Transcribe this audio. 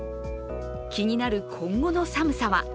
気になる今後の寒さは？